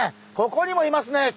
ここにもいますね。